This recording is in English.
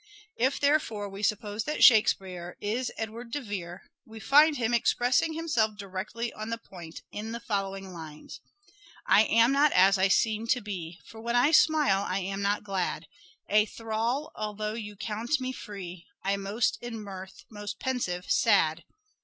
If, therefore, we suppose that " Shakespeare " is Edward de Vere, we find him expressing himself directly on the point in the following lines :—" I am not as I seem to be, For when I smile I am not glad, A thrall, although you count me free, I, most in mirth, most pensive sad.